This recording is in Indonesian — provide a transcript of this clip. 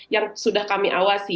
yang sudah kami awasi